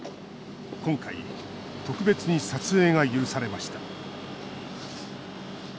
今回、特別に撮影が許されました。